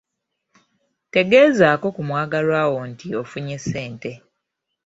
Tegeezaako ku mwagalwa wo nti ofunye ssente.